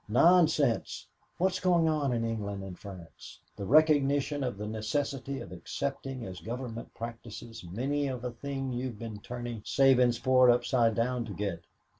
Nonsense! What's going on in England and France? The recognition of the necessity of accepting as government practices many a thing you've been turning Sabinsport upside down to get.